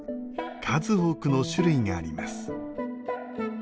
数多くの種類があります。